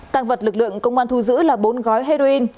tăng vật lực lượng công an thu giữ là bốn gói heroin